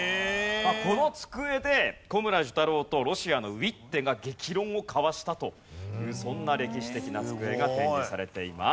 この机で小村寿太郎とロシアのウィッテが激論を交わしたというそんな歴史的な机が展示されています。